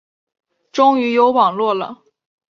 终于有网路了